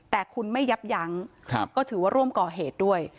แต่คุณไม่ยับยั้งก็ถือว่าร่วมก่อเหตุด้วย